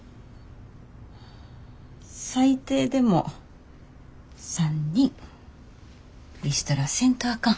最低でも３人リストラせんとあかん。